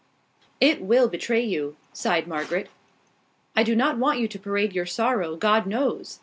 "It will betray you," sighed Margaret. "I do not want you to parade your sorrow, God knows!